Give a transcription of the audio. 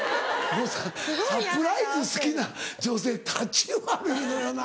もうサプライズ好きな女性たち悪いのよな。